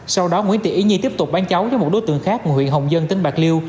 sau đó nguyễn thị yến nhi tiếp tục bán cháu cho một đối tượng khác của huyện hồng dân tỉnh bạc liêu